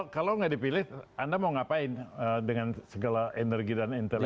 kalau nggak dipilih anda mau ngapain dengan segala energi dan intelijen